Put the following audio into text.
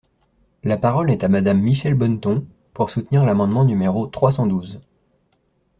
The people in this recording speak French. La parole est à Madame Michèle Bonneton, pour soutenir l’amendement numéro trois cent douze.